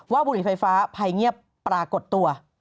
บุหรี่ไฟฟ้าภัยเงียบปรากฏตัว